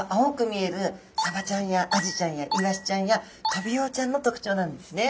見えるサバちゃんやアジちゃんやイワシちゃんやトビウオちゃんの特徴なんですね。